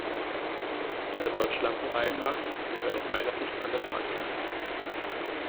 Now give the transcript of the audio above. Wer dort Schlampereien macht, gehört aus meiner Sicht an den Pranger.